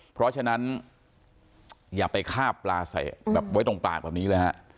เพราะฉะนั้นอย่าไปคาบปลาใส่แบบไว้ตรงปากแบบนี้เลยฮะ